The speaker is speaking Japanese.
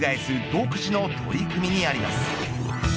独自の取り組みにあります。